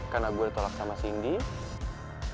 karena gue ditolak sama cindy